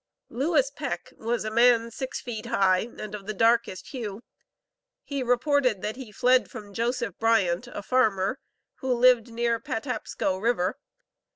Lewis Peck was a man six feet high, and of the darkest hue. He reported that he fled from Joseph Bryant, a farmer, who lived near Patapsco River.